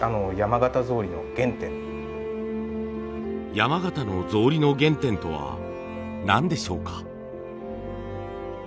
山形の草履の原点とは何でしょうか？